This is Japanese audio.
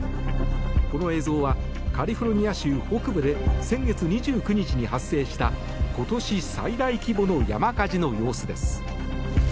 この映像はカリフォルニア州北部で先月２９日に発生した今年最大規模の山火事の様子です。